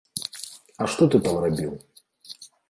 А што ты там рабіў?